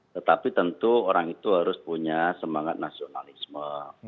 tetapi tentu orang itu harus punya semangat nasionalisme